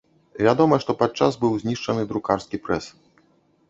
Вядома, што падчас быў знішчаны друкарскі прэс.